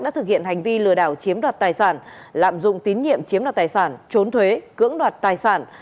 đã thực hiện hành vi lừa đảo chiếm đoạt tài sản lạm dụng tín nhiệm chiếm đoạt tài sản trốn thuế cưỡng đoạt tài sản